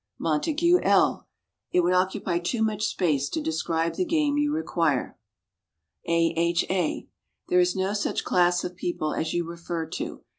MONTAGUE L. It would occupy too much space to describe the game you require. A. H. A. There is no such class of people as you refer to.